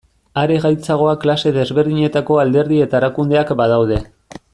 Are gaitzagoa klase desberdinetako alderdi eta erakundeak badaude.